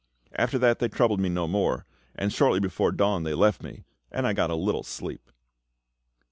After that they troubled me no more; and shortly before dawn of day they left me, and I got a little sleep.